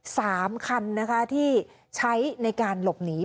สามคันนะคะที่ใช้ในการหลบหนี